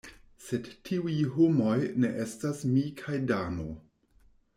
Sed tiuj homoj ne estas mi kaj Dano.